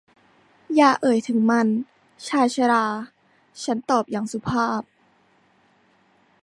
อย่าเอ่ยถึงมัน ชายชรา ฉันตอบอย่างสุภาพ